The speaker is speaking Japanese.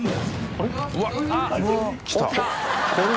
あれ？